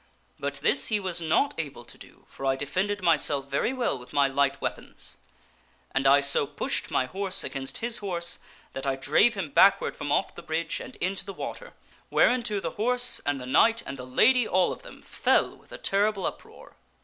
But this he was not able to do, for I defended myself very well with my light weapons. And I so pushed my horse against his horse that 1 drave him backward from off the bridge and ?nto the water, whereinto the horse and the knight and the lady all of .hem fell with a terrible uproar.